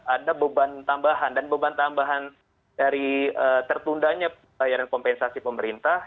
ada beban tambahan dan beban tambahan dari tertunda nya pembayaran kompensasi pemerintah